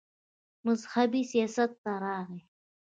مذهبي سياست ته راغے